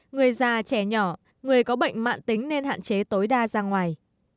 người già trẻ nhỏ người có bệnh mạng tính nên hạn chế tối đa ra ngoài